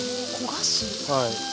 はい。